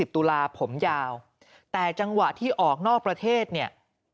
ตุลาผมยาวแต่จังหวะที่ออกนอกประเทศเนี่ย